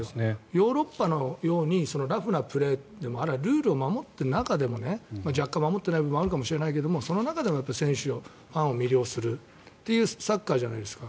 ヨーロッパのようにラフなプレーでもあれはルールを守った中でも若干守っていない部分があるかもしれないけどその中でも選手はファンを魅了するというサッカーじゃないですか。